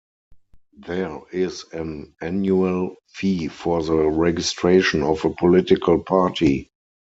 There is an annual fee for the registration of a political party.